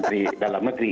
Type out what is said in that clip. di dalam negeri